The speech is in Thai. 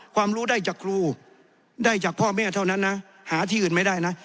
ความรู้ได้จากครูได้จากพ่อแม่เท่านั้นนะหาที่อื่นไม่ได้นะ